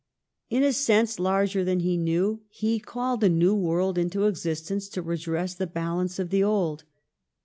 In a sense larger than he knew he " called a new world into existence to redress the balance of the old